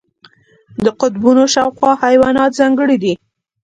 د قطبونو شاوخوا حیوانات ځانګړي دي.